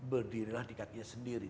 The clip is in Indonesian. berdirilah di kakinya sendiri